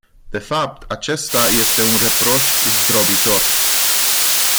De fapt, acesta este un reproș zdrobitor.